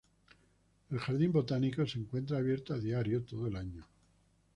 El jardín botánico se encuentra abierto a diario todo el año.